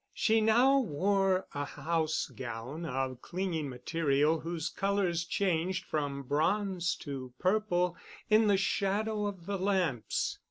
She now wore a house gown of clinging material whose colors changed from bronze to purple in the shadow of the lamps.